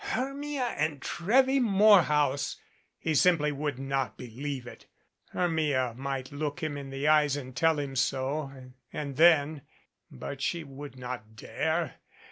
Hermia and Trevvy Morehouse! He simply would not believe it. Hermia might look him in the eyes and tell him so and then But she would not dare.